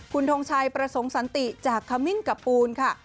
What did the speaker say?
คุณทงชัยประสงค์สันติจากขมิ้นกับปูนค่ะ